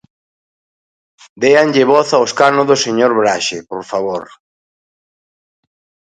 Déanlle voz ao escano do señor Braxe, por favor.